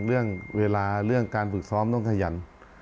เรื่องเวลาเรื่องการฝึกซ้อมต้องขยัน